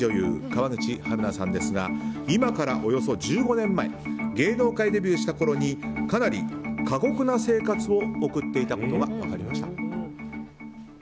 川口春奈さんですが今からおよそ１５年前芸能界デビューしたころにかなり過酷な生活を送っていたことが分かりました。